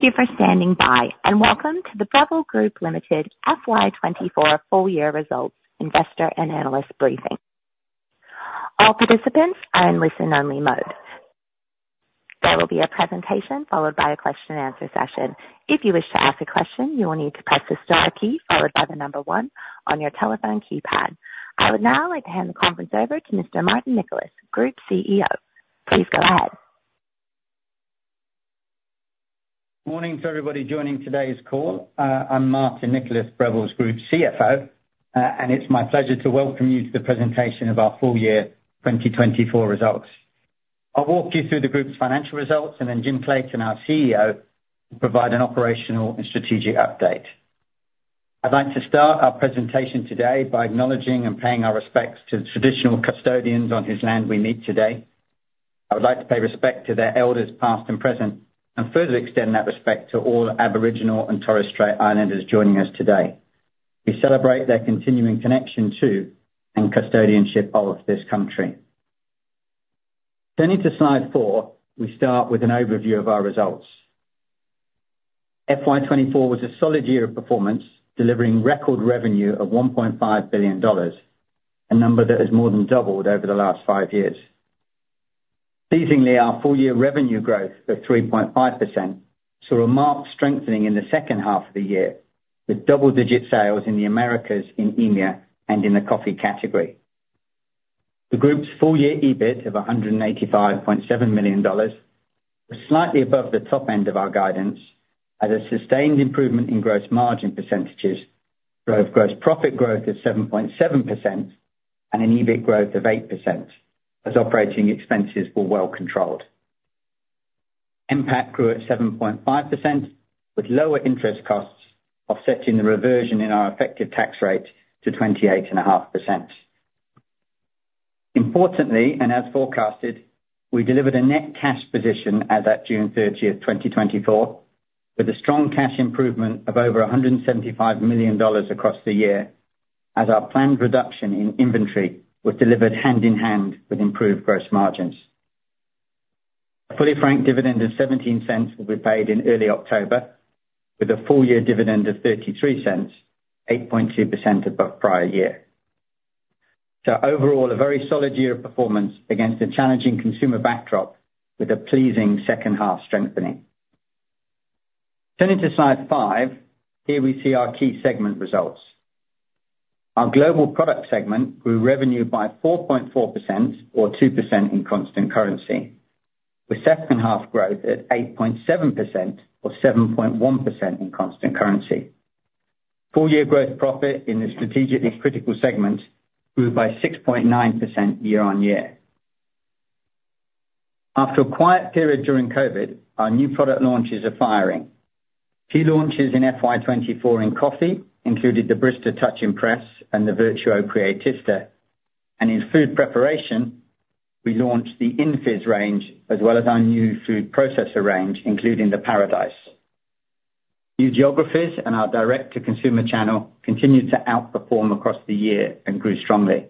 Thank you for standing by, and welcome to the Breville Group Limited FY 2024 Full-Year results investor and analyst briefing. All participants are in listen-only mode. There will be a presentation followed by a question and answer session. If you wish to ask a question, you will need to press the star key followed by the number one on your telephone keypad. I would now like to hand the conference over to Mr. Martin Nicholas, Group CFO. Please go ahead. Morning to everybody joining today's call. I'm Martin Nicholas, Breville's Group CFO, and it's my pleasure to welcome you to the presentation of our full-year 2024 results. I'll walk you through the group's financial results, and then Jim Clayton, our CEO, will provide an operational and strategic update. I'd like to start our presentation today by acknowledging and paying our respects to the traditional custodians on whose land we meet today. I would like to pay respect to their elders, past and present, and further extend that respect to all Aboriginal and Torres Strait Islanders joining us today. We celebrate their continuing connection to, and custodianship of, this country. Turning to slide four, we start with an overview of our results. FY 2024 was a solid year of performance, delivering record revenue of 1.5 billion dollars, a number that has more than doubled over the last five years. Pleasingly, our full-year revenue growth of 3.5% saw a marked strengthening in the second-half of the year, with double-digit sales in the Americas, in EMEA, and in the coffee category. The group's full-year EBIT of 185.7 million dollars was slightly above the top end of our guidance, as a sustained improvement in gross margin percentages drove gross profit growth of 7.7% and an EBIT growth of 8%, as operating expenses were well controlled. NPAT grew at 7.5%, with lower interest costs offsetting the reversion in our effective tax rate to 28.5%. Importantly, and as forecasted, we delivered a net-cash position as at June 30th, 2024, with a strong cash improvement of over 175 million dollars across the year, as our planned reduction in inventory was delivered hand in hand with improved gross margins. A fully franked dividend of 0.17 will be paid in early October, with a full-year dividend of 0.33, 8.2% above prior year. So overall, a very solid year of performance against a challenging consumer backdrop with a pleasing second-half strengthening. Turning to slide five, here we see our key segment results. Our global product segment grew revenue by 4.4% or 2% in constant currency, with second-half growth at 8.7% or 7.1% in constant currency. Full-year gross profit in the strategically critical segment grew by 6.9% year-on-year. After a quiet period during COVID, our new product launches are firing. Key launches in FY 2024 in coffee included the Barista Touch Impress and the Vertuo Creatista, and in food preparation, we launched the InFizz range, as well as our new food processor range, including the Paradice. New geographies and our direct-to-consumer channel continued to outperform across the year and grew strongly.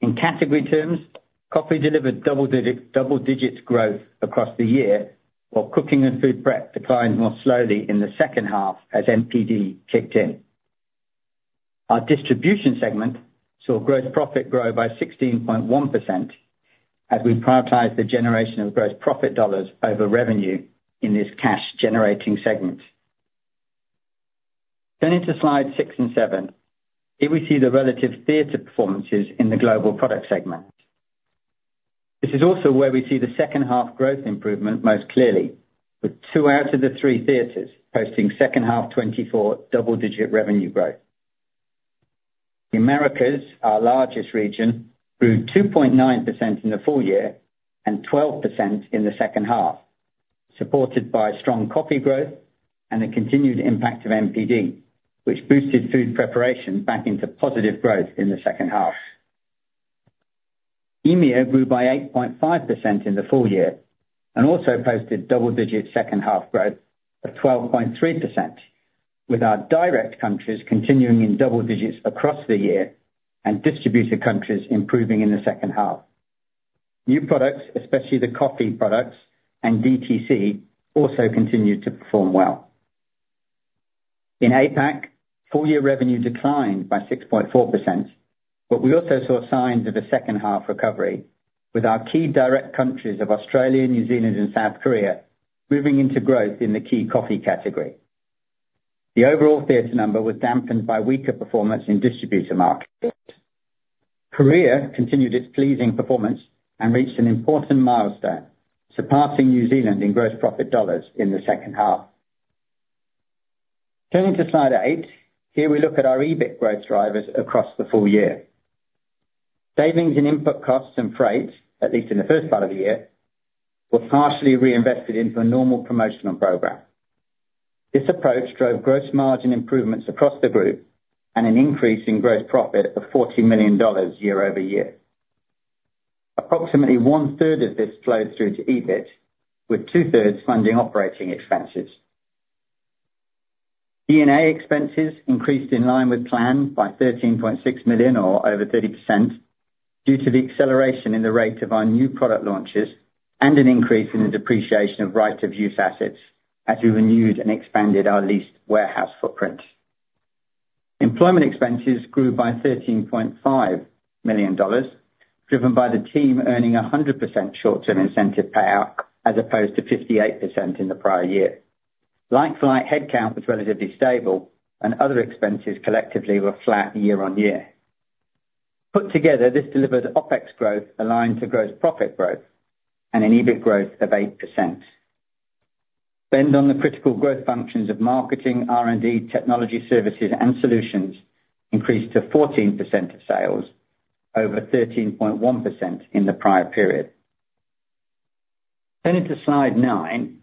In category terms, coffee delivered double-digit growth across the year, while cooking and food prep declined more slowly in the second-half as NPD kicked in. Our distribution segment saw gross profit grow by 16.1%, as we prioritized the generation of gross profit dollars over revenue in this cash-generating segment. Turning to slides six and seven, here we see the relative theater performances in the global product segment. This is also where we see the second-half growth improvement most clearly, with two out of the three theaters posting second-half 2024 double-digit revenue growth. The Americas, our largest region, grew 2.9% in the full-year and 12% in the second-half, supported by strong coffee growth and the continued impact of NPD, which boosted food preparation back into positive growth in the second-half. EMEA grew by 8.5% in the full-year and also posted double-digit second-half growth of 12.3%, with our direct countries continuing in double-digits across the year and distributor countries improving in the second-half. New products, especially the coffee products and DTC, also continued to perform well. In APAC, full-year revenue declined by 6.4%, but we also saw signs of a second-half recovery with our key direct countries of Australia, New Zealand, and South Korea moving into growth in the key coffee category. The overall theater number was dampened by weaker performance in distributor markets. Korea continued its pleasing performance and reached an important milestone, surpassing New Zealand in gross profit dollars in the second-half. Turning to slide 8, here we look at our EBIT growth drivers across the full-year. Savings in input costs and freight, at least in the first part of the year, were partially reinvested into a normal promotional program. This approach drove gross margin improvements across the group and an increase in gross profit of 40 million dollars year-over-year. Approximately 1/3 of this flowed through to EBIT, with two-thirds funding operating expenses.... D&A expenses increased in line with plan by 13.6 million, or over 30%, due to the acceleration in the rate of our new product launches and an increase in the depreciation of right of use assets as we renewed and expanded our leased warehouse footprint. Employment expenses grew by AUD 13.5 million, driven by the team earning a 100% short-term incentive payout, as opposed to 58% in the prior year. Like-for-like headcount was relatively stable, and other expenses collectively were flat year-on-year. Put together, this delivers OpEx growth aligned to gross profit growth and an EBIT growth of 8%. Spend on the critical growth functions of marketing, R&D, technology services, and solutions increased to 14% of sales, over 13.1% in the prior period. Turning to Slide nine,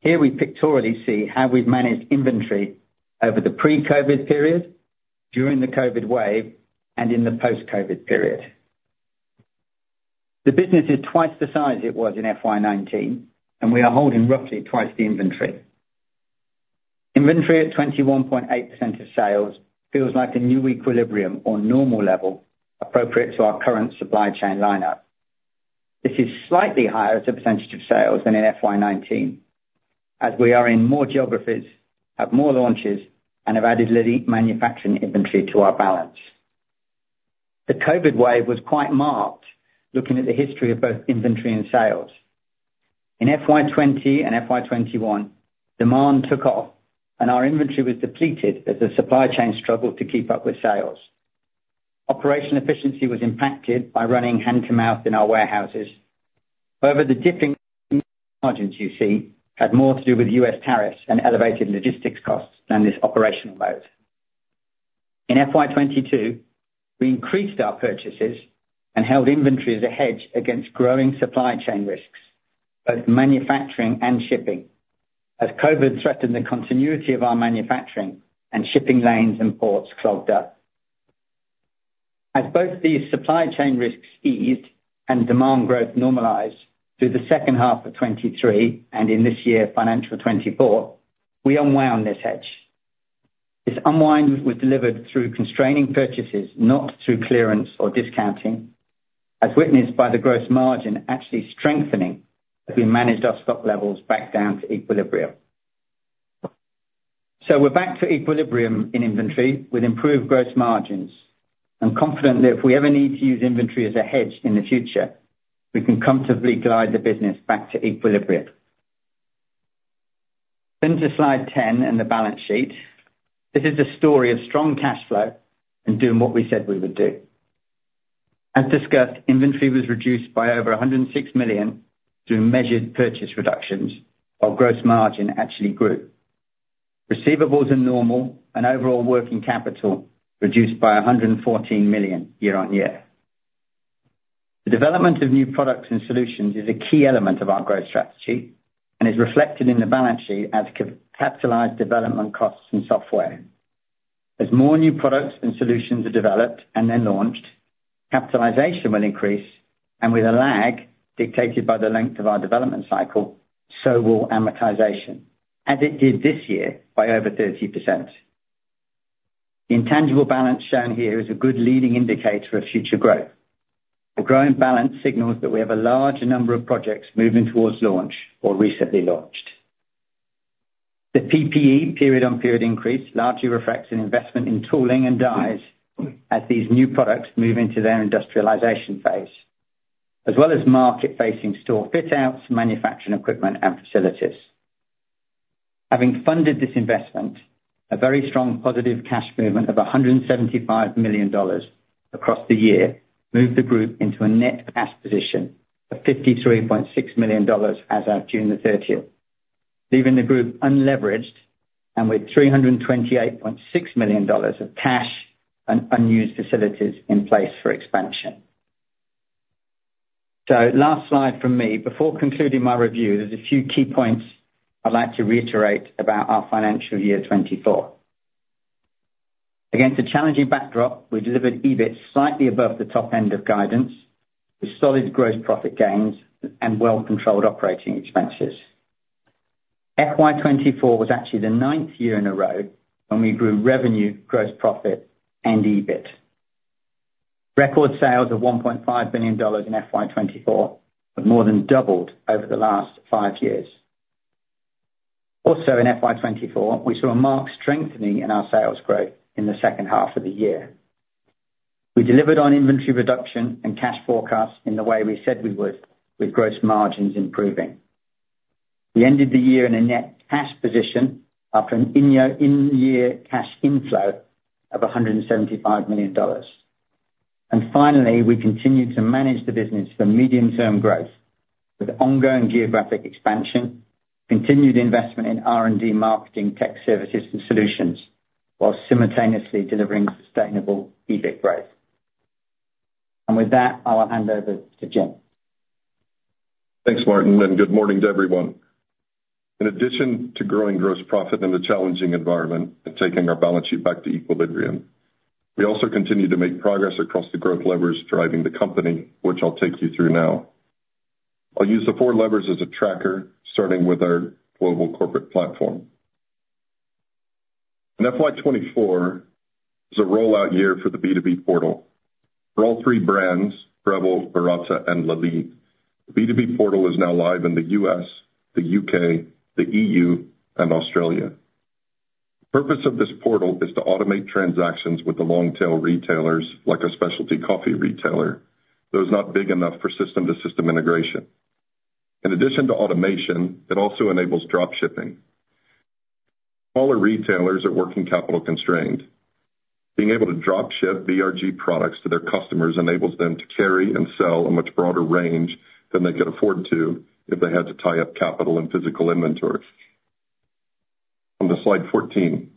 here we pictorially see how we've managed inventory over the pre-COVID period, during the COVID wave, and in the post-COVID period. The business is twice the size it was in FY 2019, and we are holding roughly twice the inventory. Inventory at 21.8% of sales feels like a new equilibrium or normal level appropriate to our current supply chain lineup. This is slightly higher as a percentage of sales than in FY 2019, as we are in more geographies, have more launches, and have added manufacturing inventory to our balance. The COVID wave was quite marked, looking at the history of both inventory and sales. In FY 2020 and FY 2021, demand took off, and our inventory was depleted as the supply chain struggled to keep up with sales. Operational efficiency was impacted by running hand-to-mouth in our warehouses. However, the dipping margins you see had more to do with U.S. tariffs and elevated logistics costs than this operational mode. In FY 2022, we increased our purchases and held inventory as a hedge against growing supply chain risks, both manufacturing and shipping, as COVID threatened the continuity of our manufacturing and shipping lanes and ports clogged up. As both these supply chain risks eased and demand growth normalized through the second-half of 2023, and in this year, financial 2024, we unwound this hedge. This unwind was delivered through constraining purchases, not through clearance or discounting, as witnessed by the gross margin actually strengthening as we managed our stock levels back down to equilibrium. We're back to equilibrium in inventory with improved gross margins and confident that if we ever need to use inventory as a hedge in the future, we can comfortably guide the business back to equilibrium. To Slide 10 and the balance sheet. This is a story of strong cash flow and doing what we said we would do. As discussed, inventory was reduced by over 106 million through measured purchase reductions, while gross margin actually grew. Receivables are normal and overall working capital reduced by 114 million year-on-year. The development of new products and solutions is a key element of our growth strategy and is reflected in the balance sheet as capitalized development costs and software. As more new products and solutions are developed and then launched, capitalization will increase, and with a lag dictated by the length of our development cycle, so will amortization, as it did this year by over 30%. The intangible balance shown here is a good leading indicator of future growth. A growing balance signals that we have a larger number of projects moving towards launch or recently launched. The PPE period-on-period increase largely reflects an investment in tooling and dies as these new products move into their industrialization phase, as well as market-facing store fit outs, manufacturing equipment, and facilities. Having funded this investment, a very strong positive cash movement of 175 million dollars across the year moved the group into a net-cash position of 53.6 million dollars as of June 30th, leaving the group unleveraged and with 328.6 million dollars of cash and unused facilities in place for expansion. So last slide from me. Before concluding my review, there's a few key points I'd like to reiterate about our financial year 2024. Against a challenging backdrop, we delivered EBIT slightly above the top end of guidance, with solid gross profit gains and well-controlled operating expenses. FY 2024 was actually the ninth year in a row when we grew revenue, gross profit, and EBIT. Record sales of 1.5 billion dollars in FY 2024 have more than doubled over the last five years. Also, in FY 2024, we saw a marked strengthening in our sales growth in the second-half of the year. We delivered on inventory reduction and cash forecasts in the way we said we would, with gross margins improving. We ended the year in a net-cash position after an in-year cash inflow of 175 million dollars. And finally, we continued to manage the business for medium-term growth with ongoing geographic expansion, continued investment in R&D, marketing, tech services and solutions, while simultaneously delivering sustainable EBIT growth. And with that, I'll hand over to Jim. Thanks, Martin, and good morning to everyone. In addition to growing gross profit in a challenging environment and taking our balance sheet back to equilibrium, we also continue to make progress across the growth levers driving the company, which I'll take you through now. I'll use the four levers as a tracker, starting with our global corporate platform. In FY 2024 is a rollout year for the B2B portal. For all three brands, Breville, Baratza, and Lelit, the B2B portal is now live in the U.S., the U.K., the E.U., and Australia. The purpose of this portal is to automate transactions with the long-tail retailers, like a specialty coffee retailer, those not big enough for system-to-system integration. In addition to automation, it also enables drop shipping. Smaller retailers are working capital constrained. Being able to drop-ship BRG products to their customers enables them to carry and sell a much broader range than they could afford to if they had to tie up capital and physical inventory. On to Slide 14.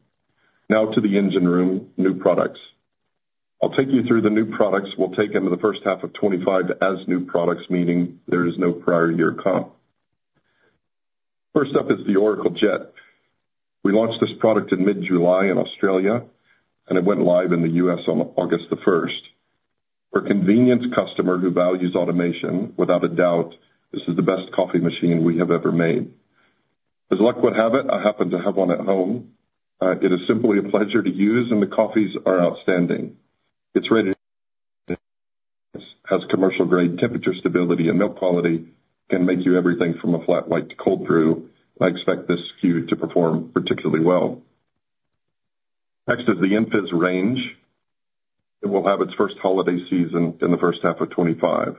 Now to the engine room, new products. I'll take you through the new products we'll take into the first half of 2025 as new products, meaning there is no prior year comp. First up is the Oracle Jet. We launched this product in mid-July in Australia, and it went live in the U.S. on August the first. For a convenience customer who values automation, without a doubt, this is the best coffee machine we have ever made. As luck would have it, I happen to have one at home. It is simply a pleasure to use, and the coffees are outstanding. It's ready, has commercial-grade temperature, stability, and milk quality, can make you everything from a flat white to cold brew. I expect this SKU to perform particularly well. Next is the InFizz range. It will have its first holiday season in the first half of 2025.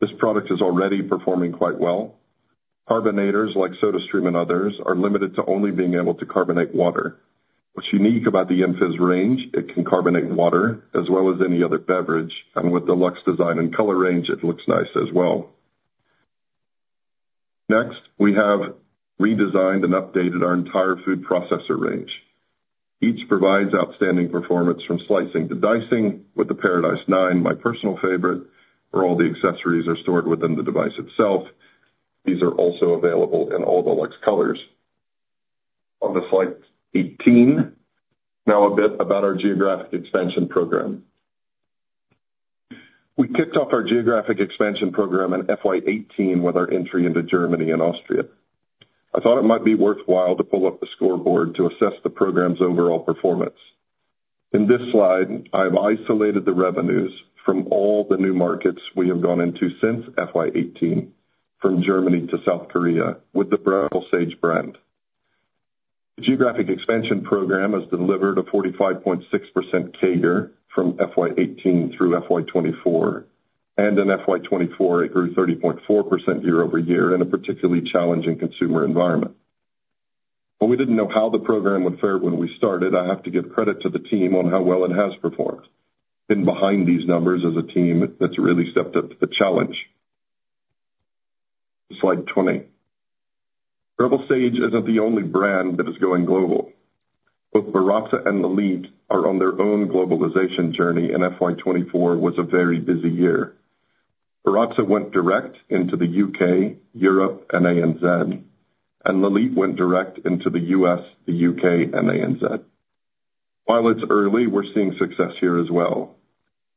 This product is already performing quite well. Carbonators, like SodaStream and others, are limited to only being able to carbonate water. What's unique about the InFizz range, it can carbonate water as well as any other beverage, and with deluxe design and color range, it looks nice as well. Next, we have redesigned and updated our entire food processor range. Each provides outstanding performance from slicing to dicing with the Paradice 9, my personal favorite, where all the accessories are stored within the device itself. These are also available in all deluxe colors. On to Slide 18. Now a bit about our geographic expansion program. We kicked off our geographic expansion program in FY 2018 with our entry into Germany and Austria. I thought it might be worthwhile to pull up the scoreboard to assess the program's overall performance. In this slide, I've isolated the revenues from all the new markets we have gone into since FY 2018, from Germany to South Korea, with the Breville Sage brand. The geographic expansion program has delivered a 45.6% CAGR from FY 2018 through FY 2024, and in FY 2024, it grew 30.4% year-over-year in a particularly challenging consumer environment. But we didn't know how the program would fare when we started. I have to give credit to the team on how well it has performed. Hidden behind these numbers is a team that's really stepped up to the challenge. Slide 20. Breville Sage isn't the only brand that is going global. Both Baratza and Lelit are on their own globalization journey, and FY 2024 was a very busy year. Baratza went direct into the U.K., Europe, and ANZ, and Lelit went direct into the U.S., the U.K., and ANZ. While it's early, we're seeing success here as well.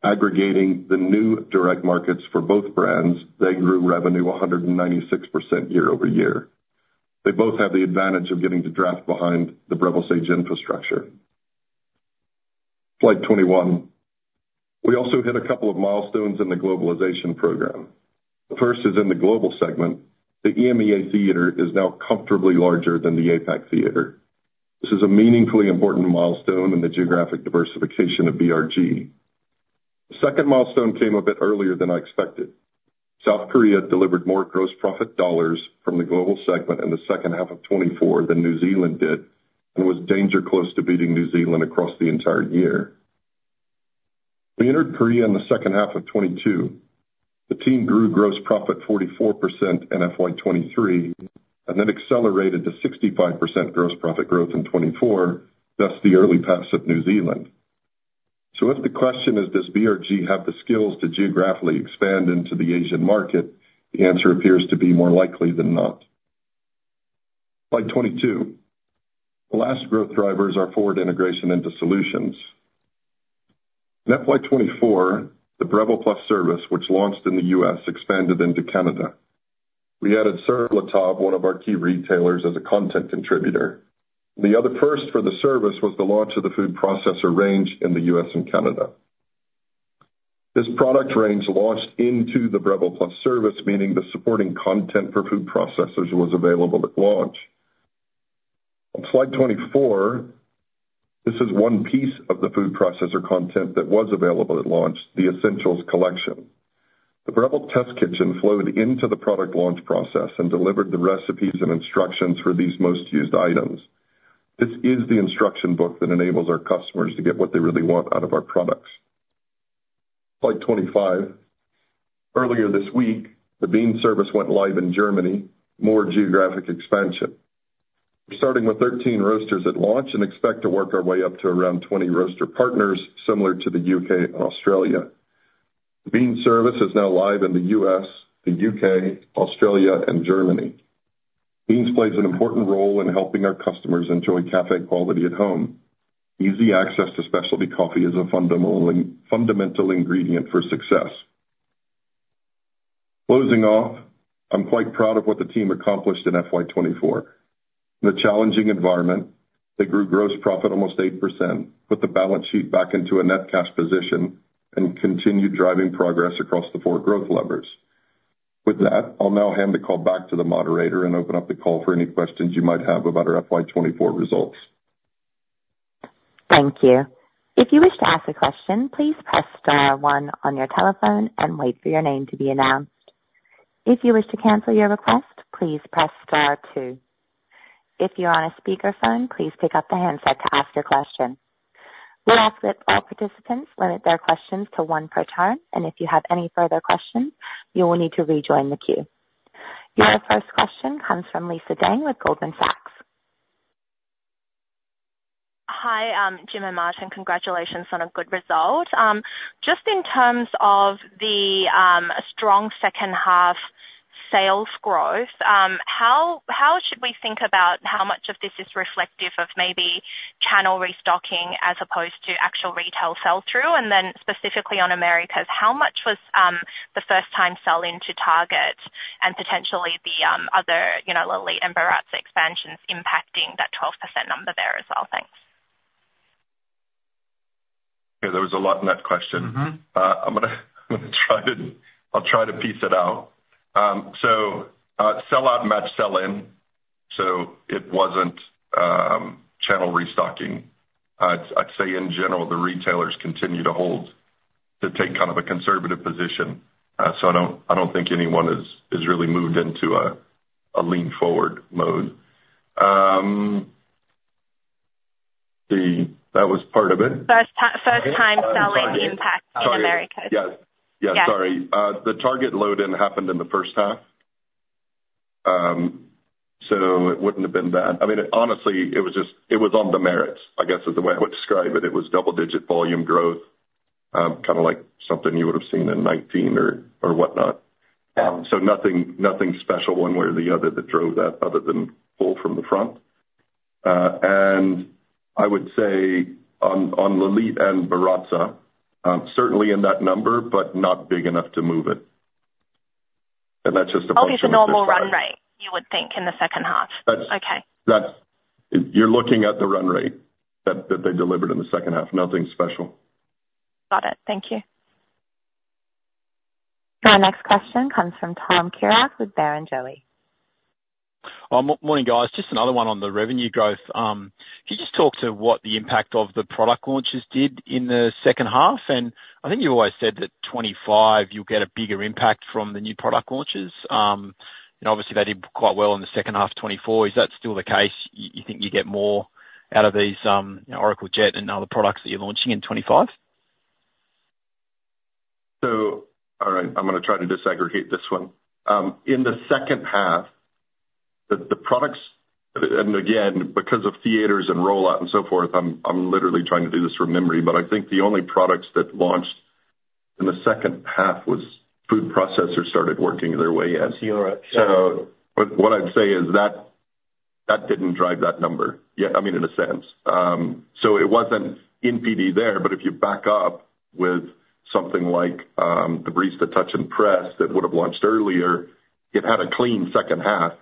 Aggregating the new direct markets for both brands, they grew revenue 196% year-over-year. They both have the advantage of getting to draft behind the Breville Sage infrastructure. Slide 21. We also hit a couple of milestones in the globalization program. The first is in the global segment. The EMEA theater is now comfortably larger than the APAC theater. This is a meaningfully important milestone in the geographic diversification of BRG. The second milestone came a bit earlier than I expected. South Korea delivered more gross profit dollars from the global segment in the second-half of 2024 than New Zealand did, and was danger close to beating New Zealand across the entire year. We entered Korea in the second-half of 2022. The team grew gross profit 44% in FY 2023, and then accelerated to 65% gross profit growth in 2024, thus the early pass of New Zealand. So if the question is, does BRG have the skills to geographically expand into the Asian market, the answer appears to be more likely than not. Slide 22. The last growth drivers are forward integration into solutions. In FY 2024, the Breville Plus Service, which launched in the US, expanded into Canada. We added Sur La Table, one of our key retailers, as a content contributor. The other first for the service was the launch of the food processor range in the US and Canada. This product range launched into the Breville Plus Service, meaning the supporting content for food processors was available at launch. On Slide 24, this is one piece of the food processor content that was available at launch, the Essentials Collection. The Breville Test Kitchen flowed into the product launch process and delivered the recipes and instructions for these most used items. This is the instruction book that enables our customers to get what they really want out of our products. Slide 25. Earlier this week, the Bean Service went live in Germany, more geographic expansion. We're starting with 13 roasters at launch and expect to work our way up to around 20 roaster partners, similar to the U.K. and Australia. The Bean Service is now live in the U.S., the U.K., Australia, and Germany. The Bean Service plays an important role in helping our customers enjoy cafe quality at home. Easy access to specialty coffee is a fundamental, fundamental ingredient for success. Closing off, I'm quite proud of what the team accomplished in FY 2024. In a challenging environment, they grew gross profit almost 8%, put the balance sheet back into a net-cash position, and continued driving progress across the four growth levers. With that, I'll now hand the call back to the moderator and open up the call for any questions you might have about our FY 2024 results. Thank you. If you wish to ask a question, please press star one on your telephone and wait for your name to be announced. If you wish to cancel your request, please press star two. If you're on a speakerphone, please pick up the handset to ask your question. We ask that all participants limit their questions to one per turn, and if you have any further questions, you will need to rejoin the queue. Your first question comes from Lisa Deng with Goldman Sachs. Hi, Jim and Martin. Congratulations on a good result. Just in terms of the strong second-half sales growth, how should we think about how much of this is reflective of maybe channel restocking as opposed to actual retail sell-through? And then specifically on Americas, how much was the first time sell into Target and potentially the other, you know, Lelit and Baratza expansions impacting that 12% number there as well? Thanks. Yeah, there was a lot in that question. Mm-hmm. I'm gonna try to piece it out. So, sell out matched sell in, so it wasn't channel restocking. I'd say in general, the retailers continue to hold to take kind of a conservative position. So I don't, I don't think anyone has really moved into a lean forward mode. That was part of it. First time selling impact in Americas. Yes. Yeah, sorry. Yeah. The Target load in happened in the first half. It wouldn't have been that. I mean, honestly, it was just it was on the merits, I guess, is the way I would describe it. It was double-digit volume growth, kind of like something you would have seen in 2019 or whatnot. Nothing special one way or the other that drove that other than pull from the front. I would say on Lelit and Baratza, certainly in that number, but not big enough to move it. And that's just a- Probably a normal run rate, you would think, in the second-half. That's- Okay. That's... You're looking at the run rate that they delivered in the second-half. Nothing special. Got it. Thank you. Our next question comes from Tom Kierath with Barrenjoey. Morning, guys. Just another one on the revenue growth. Can you just talk to what the impact of the product launches did in the second-half? And I think you always said that 2025, you'll get a bigger impact from the new product launches. And obviously, they did quite well in the second-half of 2024. Is that still the case, you think you get more out of these, Oracle Jet and other products that you're launching in 2025? All right, I'm gonna try to disaggregate this one. In the second-half, the products, and again, because of the H2's and rollout and so forth, I'm literally trying to do this from memory. But I think the only products that launched in the second-half was food processors started working their way in. Sure. So what I'd say is that that didn't drive that number. Yeah, I mean, in a sense. So it wasn't NPD there, but if you back up with something like the Barista Touch Impress, that would have launched earlier, it had a clean second-half.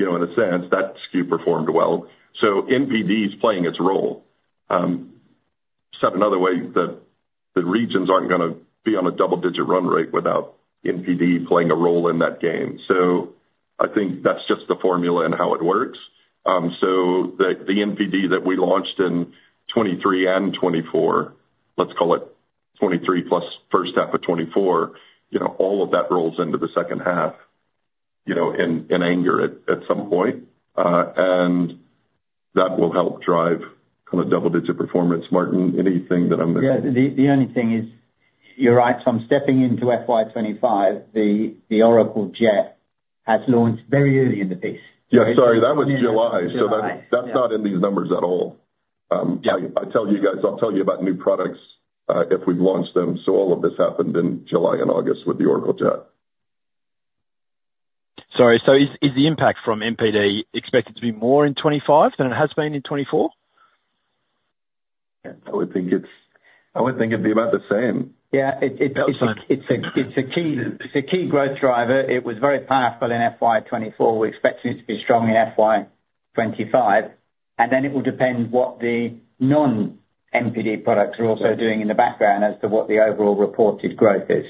You know, in a sense, that SKU performed well. So NPD is playing its role. Said another way, the regions aren't gonna be on a double-digit run rate without NPD playing a role in that game. So I think that's just the formula and how it works. So the NPD that we launched in 2023 and 2024, let's call it 2023 plus first half of 2024, you know, all of that rolls into the second-half, you know, in aggregate at some point. And that will help drive kind of double-digit performance. Martin, anything that I'm- Yeah, the only thing is, you're right, so I'm stepping into FY 2025, the Oracle Jet has launched very early in the piece. Yeah, sorry, that was July. July. So that's not in these numbers at all. Yeah. I tell you guys, I'll tell you about new products if we've launched them. All of this happened in July and August with the Oracle Jet. Sorry, so is the impact from NPD expected to be more in 2025 than it has been in 2024? I would think it'd be about the same. Yeah, it- That's fine. It's a key growth driver. It was very powerful in FY 2024. We expect it to be strong in FY 2025, and then it will depend what the non-NPD products are also doing in the background as to what the overall reported growth is.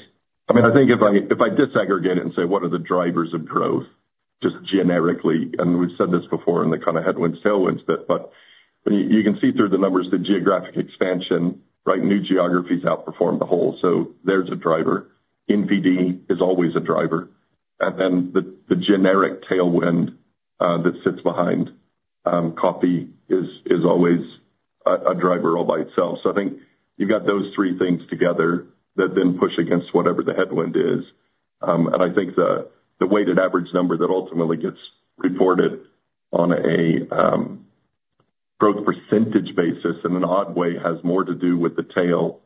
I mean, I think if I disaggregate it and say, what are the drivers of growth, just generically, and we've said this before in the kind of headwinds, tailwinds bit, but you can see through the numbers, the geographic expansion, right? New geographies outperformed the whole, so there's a driver. NPD is always a driver. And then the generic tailwind that sits behind coffee is always a driver all by itself. So I think you've got those three things together that then push against whatever the headwind is. And I think the weighted average number that ultimately gets reported on a... growth percentage basis in an odd way, has more to do with the tail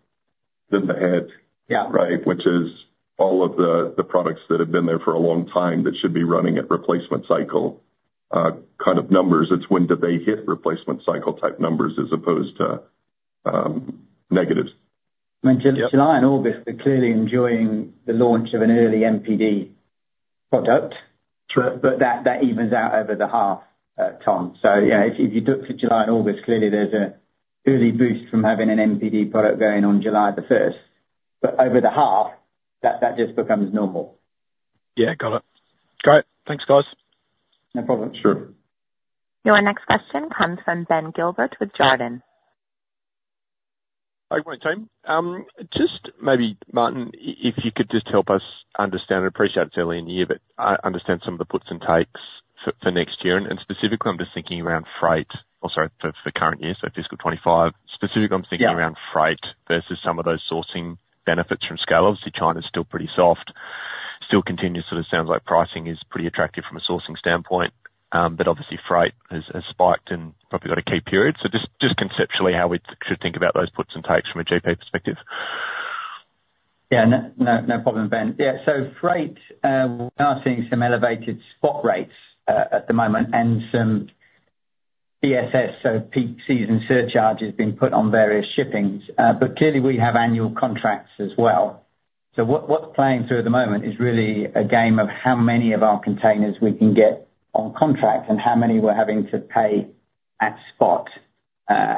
than the head. Yeah. Right? Which is all of the, the products that have been there for a long time, that should be running at replacement cycle kind of numbers. It's when do they hit replacement cycle type numbers as opposed to, negatives. I mean, July and August are clearly enjoying the launch of an early NPD product. But that evens out over the half, Tom. So yeah, if you look for July and August, clearly there's an early boost from having an NPD product going on July the 1st, but over the half, that just becomes normal. Yeah, got it. Great. Thanks, guys. No problem. Sure. Your next question comes from Ben Gilbert with Jarden. Hi, good morning, team. Just maybe, Martin, if you could just help us understand. I appreciate it's early in the year, but I understand some of the puts and takes for next year, and specifically, I'm just thinking around freight, or sorry, for current year, so fiscal 2025. Specifically, I'm thinking- Yeah... around freight versus some of those sourcing benefits from scale. Obviously, China's still pretty soft, still continues, sort of sounds like pricing is pretty attractive from a sourcing standpoint, but obviously freight has spiked and probably got a key period. So just conceptually, how we should think about those puts and takes from a GP perspective? Yeah, no, no, no problem, Ben. Yeah, so freight, we are seeing some elevated spot rates at the moment and some PSS, so peak season surcharges being put on various shipments. But clearly we have annual contracts as well. So what's playing through at the moment is really a game of how many of our containers we can get on contract and how many we're having to pay at spot.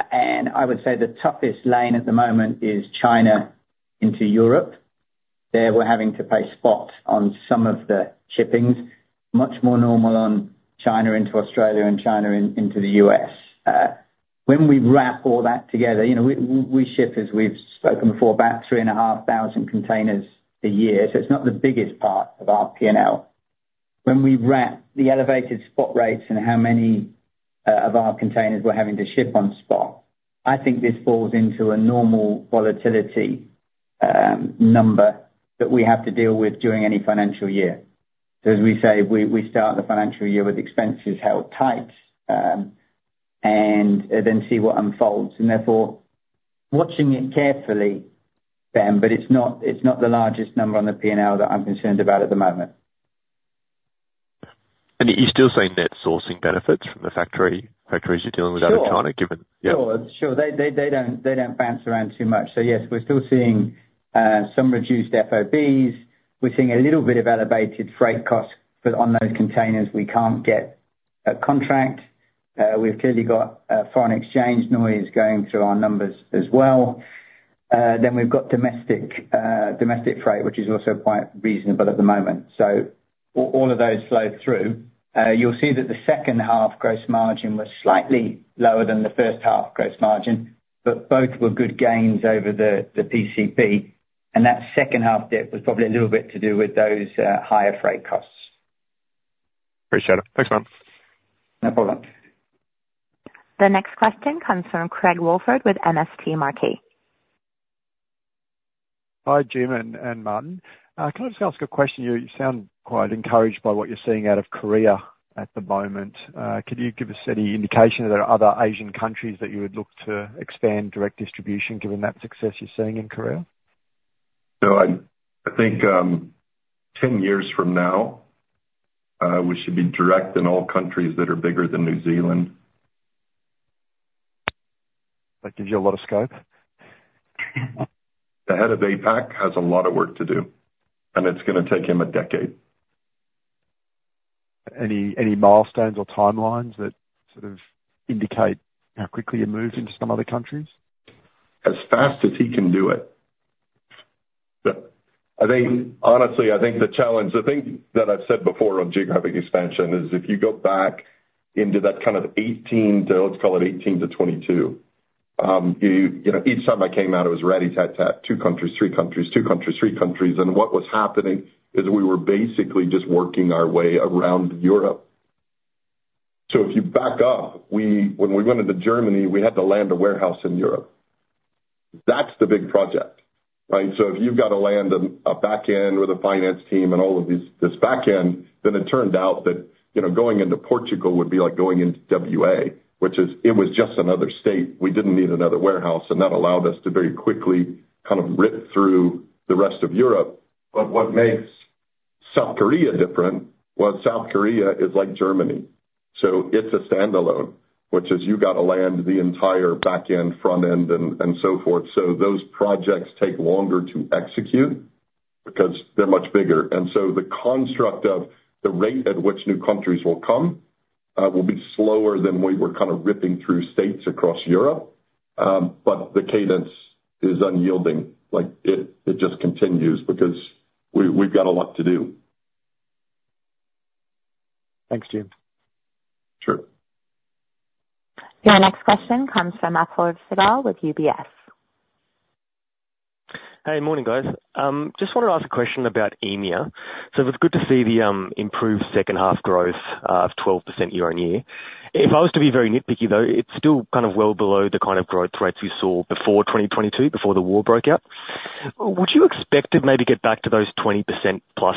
And I would say the toughest lane at the moment is China into Europe. There, we're having to pay spot on some of the shipments. Much more normal on China into Australia and China into the U.S. When we wrap all that together, you know, we ship, as we've spoken before, about 3,500 containers a year, so it's not the biggest part of our P&L. When we wrap the elevated spot rates and how many of our containers we're having to ship on spot, I think this falls into a normal volatility number that we have to deal with during any financial year, so as we say, we start the financial year with expenses held tight, and then see what unfolds, and therefore watching it carefully, Ben, but it's not the largest number on the P&L that I'm concerned about at the moment. You still see net sourcing benefits from the factory, factories you're dealing with out of China, given? Sure. They don't bounce around too much. So yes, we're still seeing some reduced FOBs. We're seeing a little bit of elevated freight costs, but on those containers, we can't get a contract. We've clearly got foreign exchange noise going through our numbers as well. Then we've got domestic freight, which is also quite reasonable at the moment. So all of those flow through. You'll see that the second-half gross margin was slightly lower than the first half gross margin, but both were good gains over the PCP, and that second-half dip was probably a little bit to do with those higher freight costs. Appreciate it. Thanks, Martin. No problem. The next question comes from Craig Woolford with MST Marquee. Hi, Jim and Martin. Can I just ask a question? You sound quite encouraged by what you're seeing out of Korea at the moment. Could you give us any indication if there are other Asian countries that you would look to expand direct distribution, given that success you're seeing in Korea? So, I think 10 years from now, we should be direct in all countries that are bigger than New Zealand. That gives you a lot of scope. The head of APAC has a lot of work to do, and it's gonna take him a decade. Any milestones or timelines that sort of indicate how quickly you move into some other countries? As fast as he can do it. But I think... Honestly, I think the challenge, the thing that I've said before on geographic expansion is if you go back into that kind of 2018 to, let's call it 2018 to 2022, you know, each time I came out, it was rat-a-tat-tat, two countries, three countries, two countries, three countries. And what was happening is we were basically just working our way around Europe. So if you back up, when we went into Germany, we had to land a warehouse in Europe. That's the big project, right? So if you've got to land a back end with a finance team and all of these, this back end, then it turned out that, you know, going into Portugal would be like going into WA, which is. It was just another state. We didn't need another warehouse, and that allowed us to very quickly kind of rip through the rest of Europe. But what makes South Korea different? Well, South Korea is like Germany, so it's a standalone, which is you've got to land the entire back end, front-end and so forth. So those projects take longer to execute because they're much bigger. And so the construct of the rate at which new countries will come will be slower than we were kind of ripping through states across Europe. But the cadence is unyielding. Like, it just continues because we, we've got a lot to do. Thanks, Jim. Sure. Your next question comes from Apoorv Sehgal with UBS. Hey, morning, guys. Just want to ask a question about EMEA. So it was good to see the improved second-half growth of 12% year-on-year. If I was to be very nitpicky, though, it's still kind of well below the kind of growth rates we saw before 2022, before the war broke out. Would you expect to maybe get back to those 20%+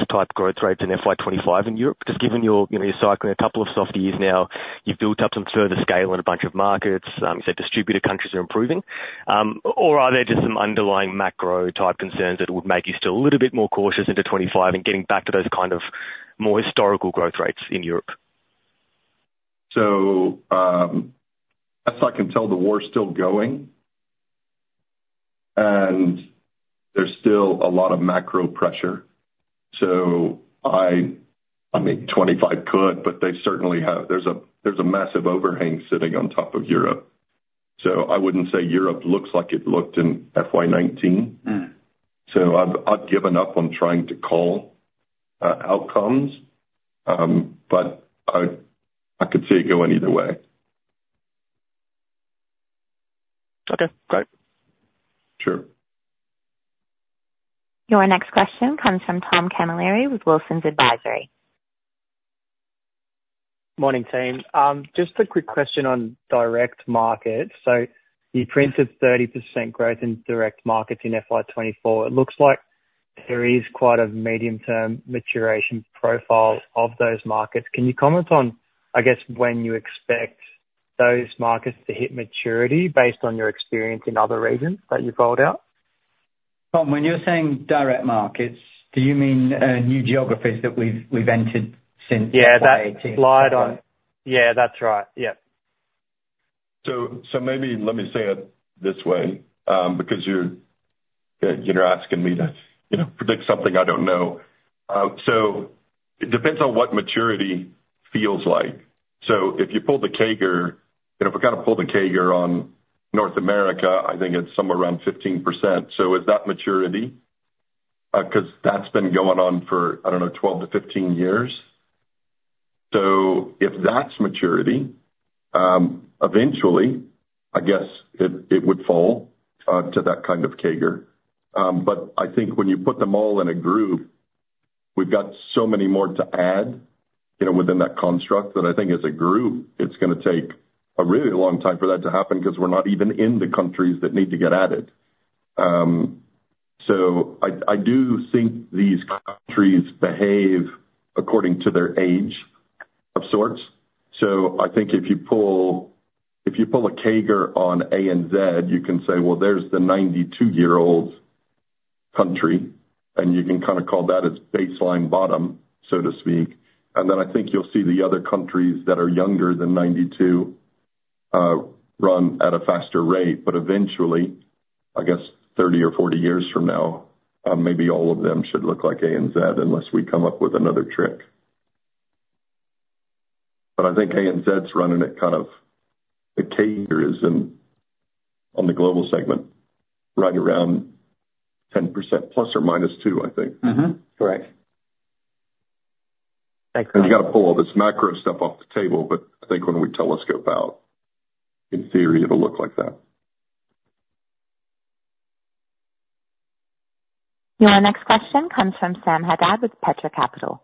type growth rates in FY 2025 in Europe? Because given your, you know, your cycle, a couple of soft years now, you've built up some further scale in a bunch of markets, you said distributor countries are improving. Or are there just some underlying macro type concerns that would make you still a little bit more cautious into 2025 and getting back to those kind of more historical growth rates in Europe? So, as I can tell, the war is still going, and there's still a lot of macro pressure. So I mean, 2025 could, but they certainly have a massive overhang sitting on top of Europe, so I wouldn't say Europe looks like it looked in FY 2019. Mm. So I've given up on trying to call outcomes, but I could see it going either way. Okay, great. Sure. Your next question comes from Tom Camilleri with Wilsons Advisory. Morning, team. Just a quick question on direct markets, so you printed 30% growth in direct markets in FY 2024. It looks like there is quite a medium-term maturation profile of those markets. Can you comment on, I guess, when you expect those markets to hit maturity based on your experience in other regions that you've rolled out? Tom, when you're saying direct markets, do you mean new geographies that we've entered since 2018? Yeah, that's slide on... Yeah, that's right. Yeah. So, maybe let me say it this way, because you're asking me to, you know, predict something I don't know. So it depends on what maturity feels like. So if you pull the CAGR, and if I kind of pull the CAGR on North America, I think it's somewhere around 15%. So is that maturity? Because that's been going on for, I don't know, 12-15 years. So if that's maturity, eventually, I guess it would fall to that kind of CAGR. But I think when you put them all in a group, we've got so many more to add, you know, within that construct, that I think as a group, it's gonna take a really long time for that to happen because we're not even in the countries that need to get added. So I do think these countries behave according to their age, of sorts. I think if you pull a CAGR on A and Z, you can say, well, there's the 92-year-old country, and you can kind of call that as baseline bottom, so to speak. And then I think you'll see the other countries that are younger than 92 run at a faster rate. But eventually, I guess 30 or 40 years from now, maybe all of them should look like A and Z, unless we come up with another trick. But I think A and Z's running at kind of the CAGR is in on the global segment, right around 10%, ±2, I think. Mm-hmm. Correct. Thanks, Tom. You got to pull all this macro stuff off the table, but I think when we telescope out, in theory, it'll look like that. Your next question comes from Sam Haddad with Petra Capital.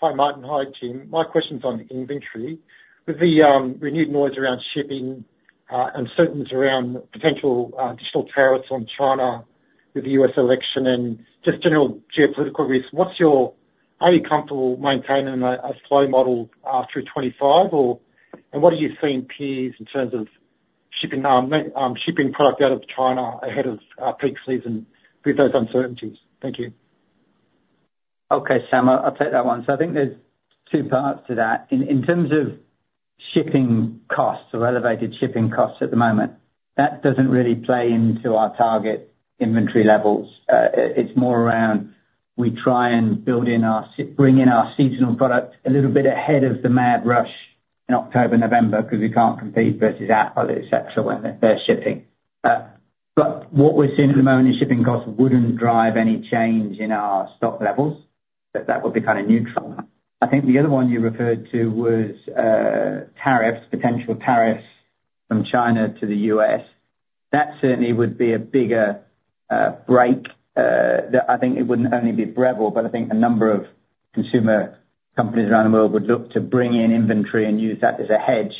Hi, Martin. Hi, Jim. My question's on inventory. With the renewed noise around shipping uncertainties around potential additional tariffs on China with the U.S. election and just general geopolitical risk, what's your... Are you comfortable maintaining a slow model through 2025 or, and what are you seeing from peers in terms of shipping product out of China ahead of peak season with those uncertainties? Thank you. Okay, Sam, I'll take that one. So I think there's two parts to that. In terms of shipping costs or elevated shipping costs at the moment, that doesn't really play into our target inventory levels. It's more around, we try and bring in our seasonal products a little bit ahead of the mad rush in October, November, because we can't compete versus Apple, et cetera, when they're shipping. But what we're seeing at the moment is shipping costs wouldn't drive any change in our stock levels, that would be kind of neutral. I think the other one you referred to was, tariffs, potential tariffs from China to the U.S. That certainly would be a bigger break that I think it wouldn't only be Breville, but I think a number of consumer companies around the world would look to bring in inventory and use that as a hedge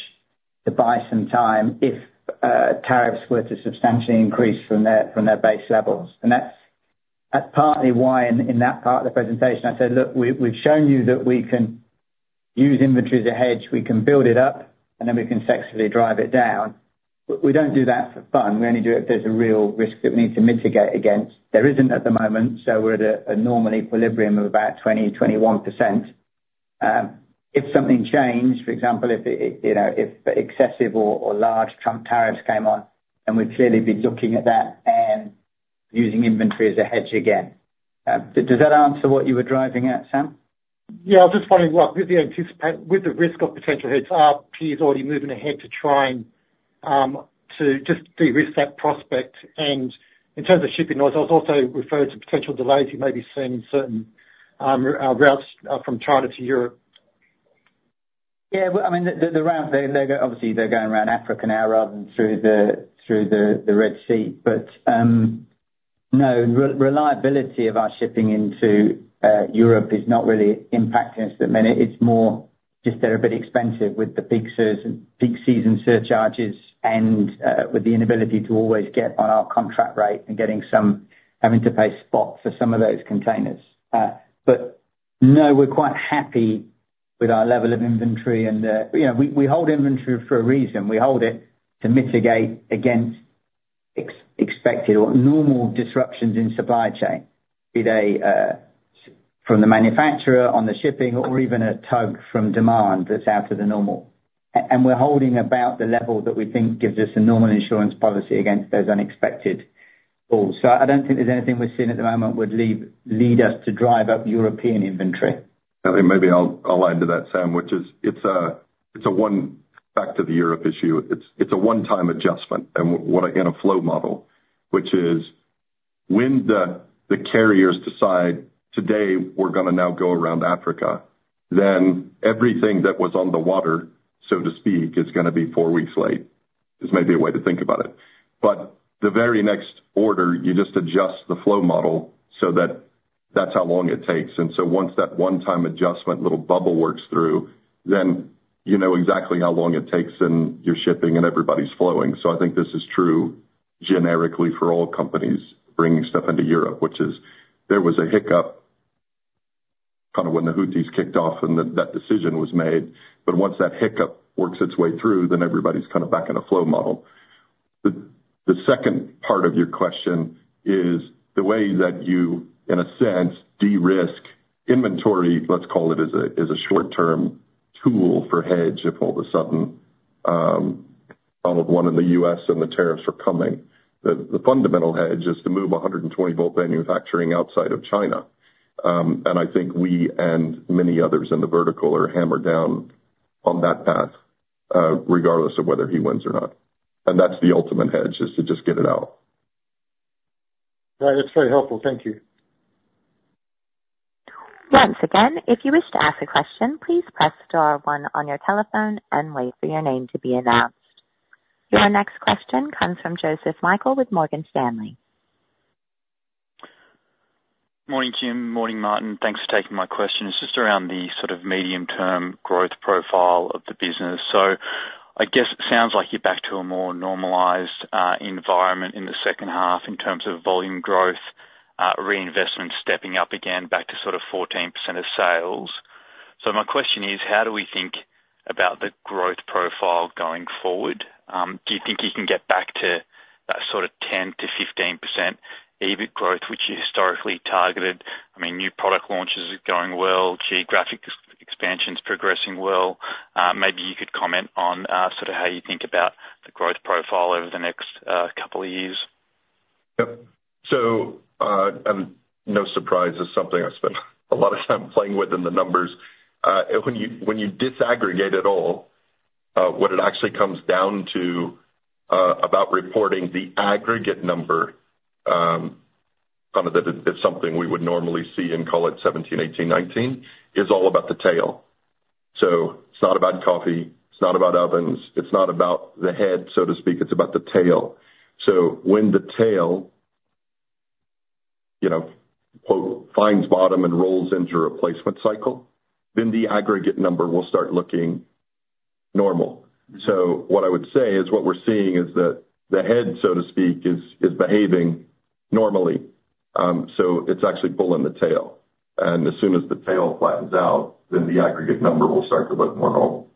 to buy some time if tariffs were to substantially increase from their base levels, and that's partly why in that part of the presentation, I said, "Look, we've shown you that we can use inventory as a hedge. We can build it up, and then we can successfully drive it down," but we don't do that for fun. We only do it if there's a real risk that we need to mitigate against. There isn't at the moment, so we're at a normal equilibrium of about 20-21%. If something changed, for example, if excessive or large Trump tariffs came on, then we'd clearly be looking at that and using inventory as a hedge again. Does that answer what you were driving at, Sam? Yeah, I was just wondering, well, with the risk of potential headwinds, he's already moving ahead to try and to just de-risk that prospect. And in terms of shipping news, I was also referred to potential delays you may be seeing in certain routes from China to Europe. Yeah, well, I mean, the route, they're obviously going around Africa now rather than through the Red Sea. But no, reliability of our shipping into Europe is not really impacting us that much. It's more just they're a bit expensive with the peak season surcharges and with the inability to always get on our contract rate and having to pay spot for some of those containers. But no, we're quite happy with our level of inventory, and you know, we hold inventory for a reason. We hold it to mitigate against expected or normal disruptions in supply chain, be they from the manufacturer, on the shipping, or even a surge from demand that's out of the normal. and we're holding about the level that we think gives us a normal insurance policy against those unexpected pulls. So I don't think there's anything we're seeing at the moment would lead us to drive up European inventory. I think maybe I'll add to that, Sam, which is it's a one back to the Europe issue. It's a one-time adjustment and in a flow model, which is when the carriers decide today we're gonna now go around Africa, then everything that was on the water, so to speak, is gonna be four weeks late. This may be a way to think about it, but the very next order, you just adjust the flow model so that that's how long it takes. And so once that one-time adjustment, little bubble works through, then you know exactly how long it takes, and you're shipping and everybody's flowing. So I think this is true generically for all companies bringing stuff into Europe, which is there was a hiccup kind of when the Houthis kicked off and that decision was made, but once that hiccup works its way through, then everybody's kind of back in a flow model. The second part of your question is the way that you, in a sense, de-risk inventory, let's call it, as a short-term tool for hedge, if all of a sudden, Donald won in the U.S. and the tariffs are coming, the fundamental hedge is to move 120-volt manufacturing outside of China. And I think we and many others in the vertical are hammered down on that path, regardless of whether he wins or not, and that's the ultimate hedge, is to just get it out. Right. That's very helpful. Thank you. Once again, if you wish to ask a question, please press star one on your telephone and wait for your name to be announced. Your next question comes from Joseph Michael with Morgan Stanley. Morning, Jim. Morning, Martin. Thanks for taking my question. It's just around the sort of medium-term growth profile of the business. So I guess it sounds like you're back to a more normalized environment in the second-half in terms of volume growth, reinvestment, stepping up again, back to sort of 14% of sales. So my question is: how do we think about the growth profile going forward? Do you think you can get back to that sort of 10%-15% EBIT growth, which you historically targeted? I mean, new product launches are going well, geographic expansion's progressing well. Maybe you could comment on, sort of how you think about the growth profile over the next, couple of years. Yep. So, no surprise, it's something I spent a lot of time playing with in the numbers. When you disaggregate it all, what it actually comes down to about reporting the aggregate number, kind of that is something we would normally see and call it 17, 18, 19, is all about the tail. So it's not about coffee, it's not about ovens, it's not about the head, so to speak, it's about the tail. So when the tail, you know, quote, "finds bottom and rolls into a replacement cycle," then the aggregate number will start looking normal. So what I would say is, what we're seeing is that the head, so to speak, is behaving normally. So it's actually pulling the tail, and as soon as the tail flattens out, then the aggregate number will start to look more normal.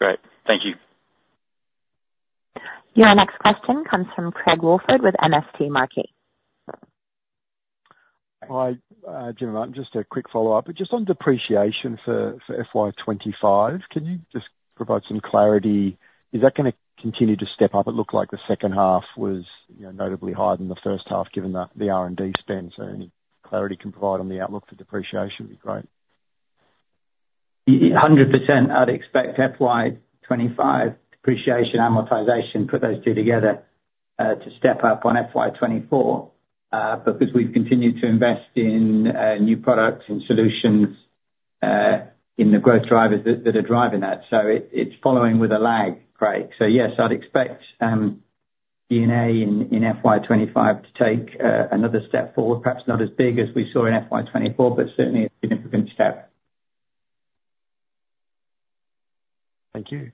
Great. Thank you. Your next question comes from Craig Woolford with MST Marquee. Hi, Jim and Martin. Just a quick follow-up. Just on depreciation for FY 2025, can you just provide some clarity? Is that gonna continue to step up? It looked like the second-half was, you know, notably higher than the first half, given the R&D spend. So any clarity you can provide on the outlook for depreciation would be great. Yeah, 100%, I'd expect FY 2025 depreciation, amortization, put those two together, to step up on FY 2024, because we've continued to invest in new products and solutions in the growth drivers that are driving that. So it's following with a lag, Craig. So yes, I'd expect D&A in FY 2025 to take another step forward. Perhaps not as big as we saw in FY 2024, but certainly a significant step. Thank you.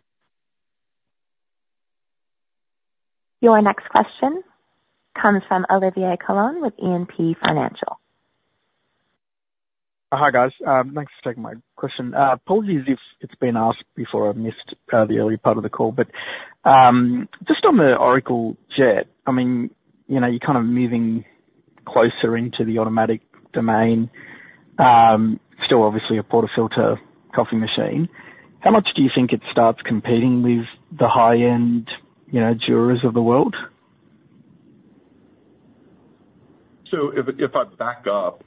Your next question comes from Olivier Coulon with E&P Financial. Hi, guys. Thanks for taking my question. Apologies if it's been asked before. I've missed the early part of the call. But just on the Oracle Jet, I mean, you know, you're kind of moving closer into the automatic domain, still obviously a portafilter coffee machine. How much do you think it starts competing with the high-end, you know, Jura of the world? So if I back up,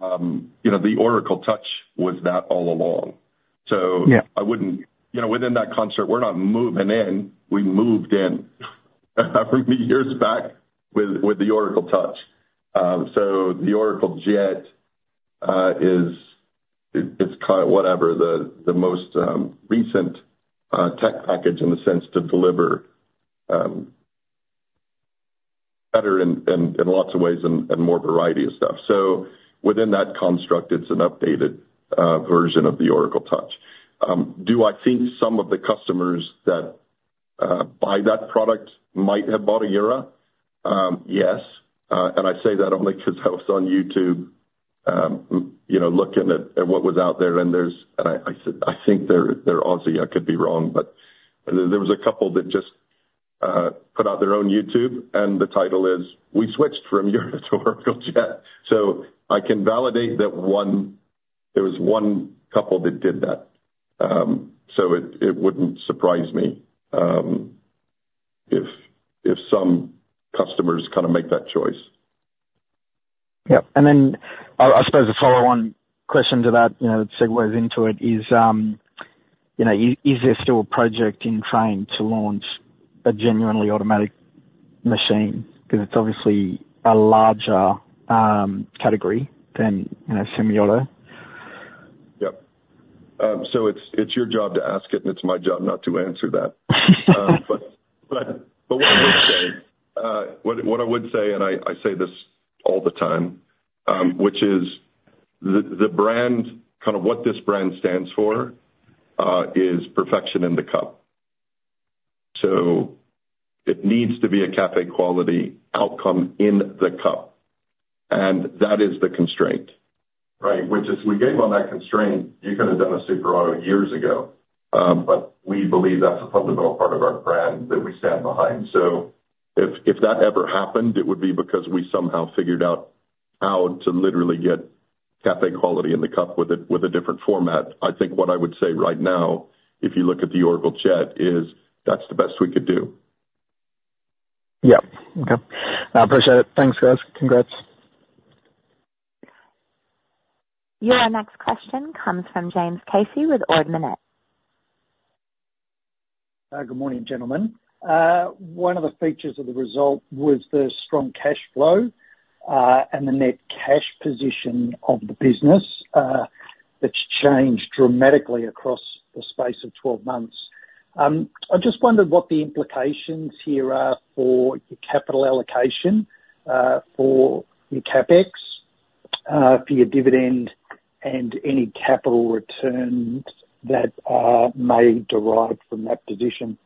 you know, the Oracle Touch was that all along. Yeah. So I wouldn't. You know, within that concept, we're not moving in. We moved in from years back with the Oracle Touch. So the Oracle Jet is. It's kind of whatever the most recent tech package in the sense to deliver better in lots of ways and more variety of stuff. So within that construct, it's an updated version of the Oracle Touch. Do I think some of the customers that buy that product might have bought a Jura? Yes, and I say that only because I was on YouTube, you know, looking at what was out there, and I said, I think there are obviously. I could be wrong, but there was a couple that just put out their own YouTube, and the title is: We Switched from Jura to Oracle Jet. So I can validate that one. There was one couple that did that. So it wouldn't surprise me if some customers kind of make that choice. Yep. And then I suppose the follow-on question to that, you know, that segues into it is, you know, is there still a project in train to launch a genuinely automatic machine? Because it's obviously a larger category than, you know, Semi-Auto. Yep. So it's your job to ask it, and it's my job not to answer that. But what I would say, and I say this all the time, which is the brand, kind of, what this brand stands for, is perfection in the cup. So it needs to be a cafe quality outcome in the cup, and that is the constraint, right? Which is if we gave in on that constraint, you could have done a super auto years ago, but we believe that's a fundamental part of our brand that we stand behind. So if that ever happened, it would be because we somehow figured out how to literally get cafe quality in the cup with a different format. I think what I would say right now, if you look at the Oracle Jet, is that's the best we could do. Yep. Okay. I appreciate it. Thanks, guys. Congrats. Your next question comes from James Casey with Ord Minnett. Good morning, gentlemen. One of the features of the result was the strong cash flow, and the net-cash position of the business, that's changed dramatically across the space of twelve months. I just wondered what the implications here are for your capital allocation, for your CapEx, for your dividend, and any capital returns that may derive from that position.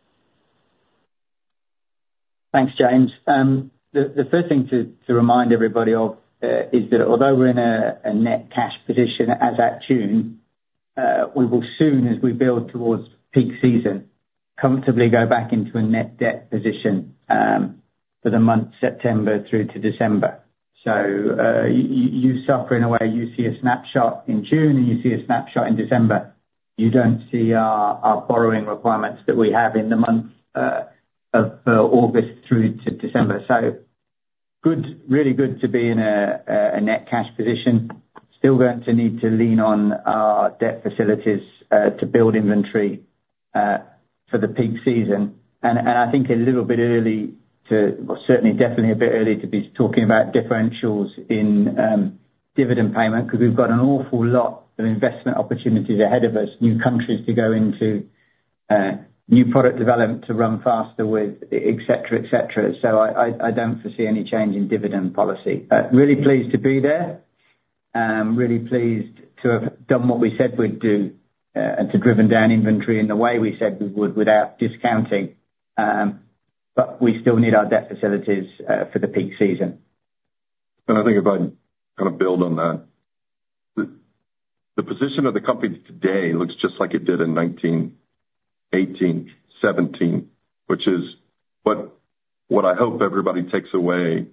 Thanks, James. The first thing to remind everybody of is that although we're in a net-cash position as at June, we will soon, as we build towards peak season, comfortably go back into a net debt position, for the month, September through to December. So, you suffer in a way, you see a snapshot in June, and you see a snapshot in December. You don't see our borrowing requirements that we have in the months of August through to December. So good, really good to be in a net-cash position. Still going to need to lean on our debt facilities to build inventory for the peak season. And I think a little bit early to... Certainly, definitely a bit early to be talking about differentials in dividend payment, because we've got an awful lot of investment opportunities ahead of us, new countries to go into, new product development to run faster with, et cetera, et cetera. I don't foresee any change in dividend policy. Really pleased to be there. Really pleased to have done what we said we'd do, and to driven down inventory in the way we said we would without discounting, but we still need our debt facilities for the peak season. I think if I kind of build on that, the position of the company today looks just like it did in 2018, 2017, which is but what I hope everybody takes away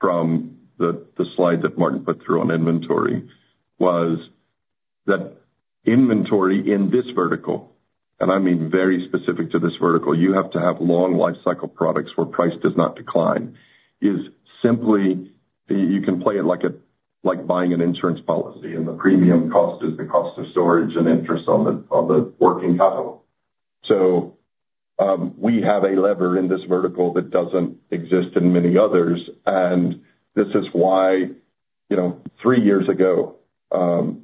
from the slide that Martin put through on inventory was that inventory in this vertical, and I mean very specific to this vertical, you have to have long lifecycle products where price does not decline. It is simply you can play it like a like buying an insurance policy, and the premium cost is the cost of storage and interest on the working capital. So we have a lever in this vertical that doesn't exist in many others, and this is why, you know, three years ago,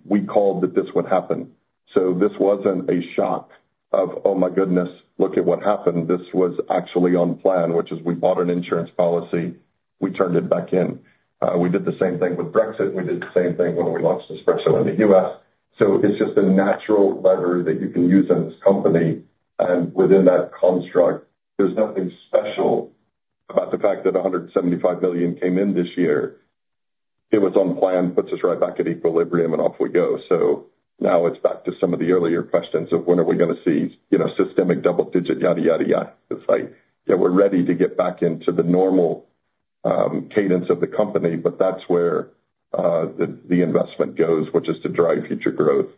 we called that this would happen. So this wasn't a shock of, "Oh, my goodness, look at what happened." This was actually on plan, which is we bought an insurance policy, we turned it back in. We did the same thing with Brexit. We did the same thing when we launched espresso in the U.S. So it's just a natural lever that you can use in this company, and within that construct, there's nothing special about the fact that 175 million came in this year. It was on plan, puts us right back at equilibrium, and off we go. So now it's back to some of the earlier questions of when are we gonna see, you know, systemic double-digit, yada, yada, yada. It's like, yeah, we're ready to get back into the normal cadence of the company, but that's where the investment goes, which is to drive future growth.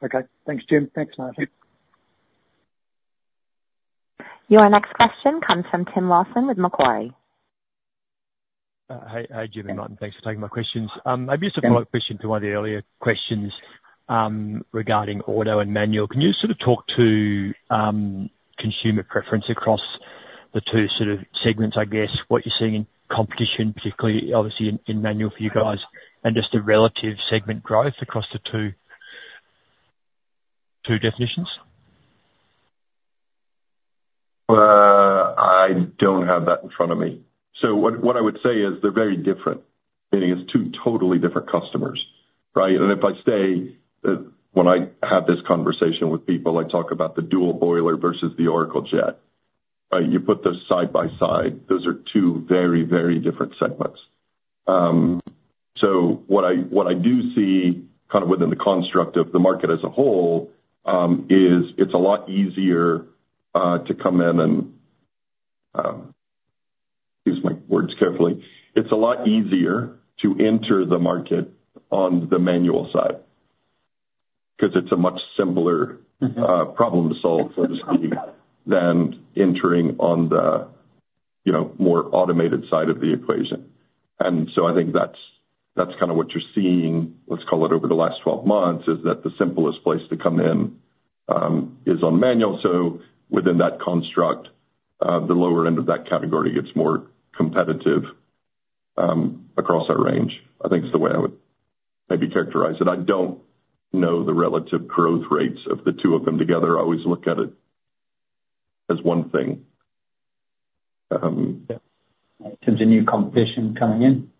Okay. Thanks, Jim. Thanks, Martin. Your next question comes from Tim Lawson with Macquarie. ... Hey, hi, Jim, and Martin, thanks for taking my questions. Maybe it's a follow-up question to one of the earlier questions, regarding auto and manual. Can you sort of talk to consumer preference across the two sort of segments, I guess, what you're seeing in competition, particularly obviously in manual for you guys, and just the relative segment growth across the two definitions? I don't have that in front of me. So what I would say is they're very different, meaning it's two totally different customers, right? And if I say, when I have this conversation with people, I talk about the Dual Boiler versus the Oracle Jet, right? You put those side by side, those are two very, very different segments. So what I do see kind of within the construct of the market as a whole is it's a lot easier to come in and use my words carefully. It's a lot easier to enter the market on the manual side, because it's a much simpler- Mm-hmm problem to solve, so to speak, than entering on the, you know, more automated side of the equation. And so I think that's, that's kind of what you're seeing, let's call it, over the last twelve months, is that the simplest place to come in, is on manual. So within that construct, the lower end of that category gets more competitive, across our range. I think it's the way I would maybe characterize it. I don't know the relative growth rates of the two of them together. I always look at it as one thing. Yeah. In terms of new competition coming in?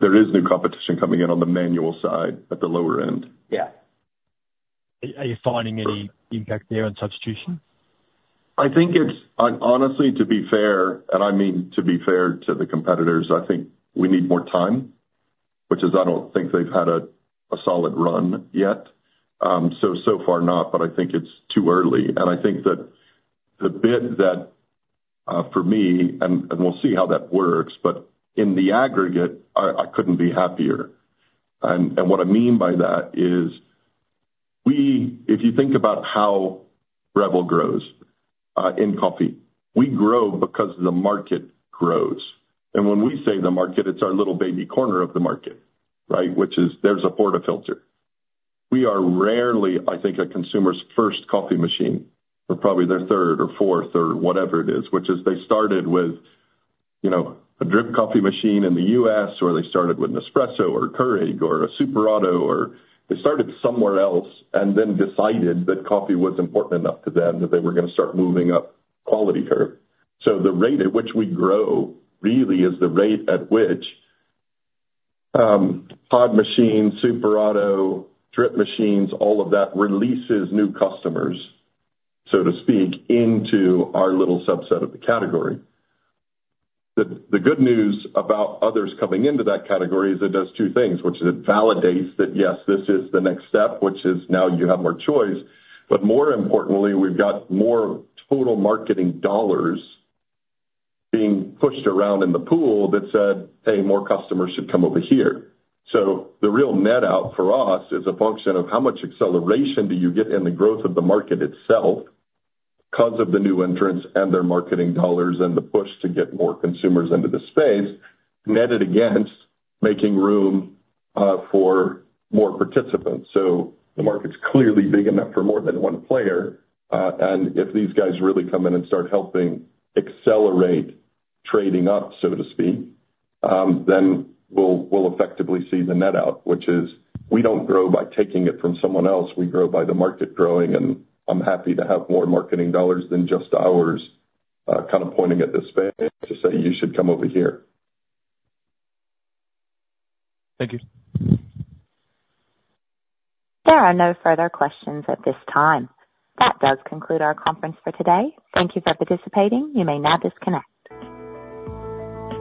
There is new competition coming in on the manual side at the lower end. Yeah. Are you finding any impact there on substitution? I think it's honestly, to be fair, and I mean to be fair to the competitors, I think we need more time, which is, I don't think they've had a solid run yet. So far not, but I think it's too early, and I think that the bit that for me, and we'll see how that works, but in the aggregate, I couldn't be happier. What I mean by that is we, if you think about how Breville grows in coffee, we grow because the market grows. When we say the market, it's our little baby corner of the market, right? Which is there's a portafilter. We are rarely, I think, a consumer's first coffee machine, or probably their third or fourth, or whatever it is. Which is they started with, you know, a drip coffee machine in the U.S., or they started with Nespresso or Keurig or a Super Auto, or they started somewhere else and then decided that coffee was important enough to them that they were gonna start moving up quality curve. So the rate at which we grow really is the rate at which pod machines, super auto, drip machines, all of that releases new customers, so to speak, into our little subset of the category. The good news about others coming into that category is it does two things, which is it validates that, yes, this is the next step, which is now you have more choice. But more importantly, we've got more total marketing dollars being pushed around in the pool that said, "Hey, more customers should come over here." So the real net out for us is a function of how much acceleration do you get in the growth of the market itself, because of the new entrants and their marketing dollars and the push to get more consumers into the space, netted against making room for more participants. So the market's clearly big enough for more than one player, and if these guys really come in and start helping accelerate trading up, so to speak, then we'll effectively see the net out, which is we don't grow by taking it from someone else. We grow by the market growing, and I'm happy to have more marketing dollars than just ours, kind of pointing at the space to say, "You should come over here. Thank you. There are no further questions at this time. That does conclude our conference for today. Thank you for participating. You may now disconnect.